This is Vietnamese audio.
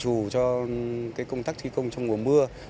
thế còn để dự trù cho cái công tác thi công trong mùa mùa này